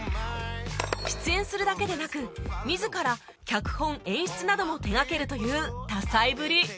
出演するだけでなく自ら脚本・演出なども手がけるという多才ぶり